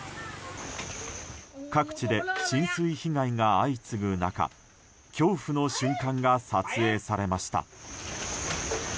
各地で浸水被害が相次ぐ中恐怖の瞬間が撮影されました。